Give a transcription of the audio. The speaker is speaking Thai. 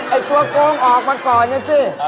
ไอ้ตัวโกงออกมาก่อนไงสิ